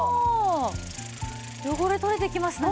汚れ取れてきましたね。